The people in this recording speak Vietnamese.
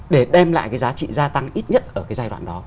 để đem lại cái giá trị gia tăng ít nhất ở cái giai đoạn đó